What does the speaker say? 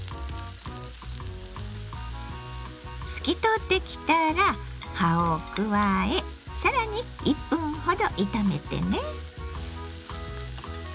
透き通ってきたら葉を加え更に１分ほど炒めてね。